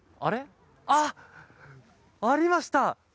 あ、ありました！